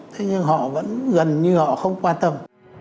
thế nhưng họ vẫn gần như họ không quan tâm